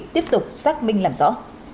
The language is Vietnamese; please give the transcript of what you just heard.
tiếp tục xác minh làm rõ